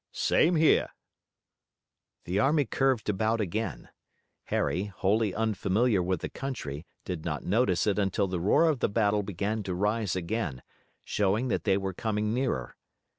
"Same here." The army curved about again. Harry, wholly unfamiliar with the country, did not notice it until the roar of the battle began to rise again, showing that they were coming nearer.